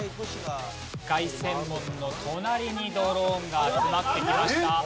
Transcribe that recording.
凱旋門の隣にドローンが集まってきました。